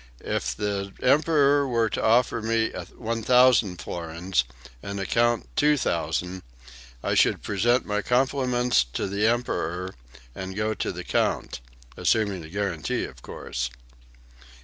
If the Emperor were to offer me 1,000 florins and a count 2,000, I should present my compliments to the Emperor and go to the count, assuming a guarantee, of course."